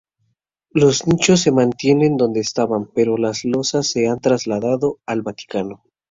Los nichos se mantienen donde estaban, pero las losas se han trasladado al Vaticano.